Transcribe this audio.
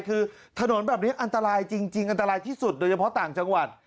คือถนนแบบนี้อันตรายจริงอันตรายที่สุดโดยเฉพาะต่างจังหวัด